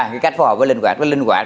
cái cách phù hợp với linh quạt